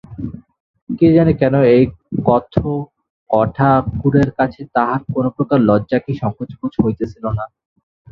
কি জানি কেন এই কথকঠাকুরের কাছে তাহার কোনোপ্রকার লজ্জা কি সংকোচ বোধ হইতেছিল না।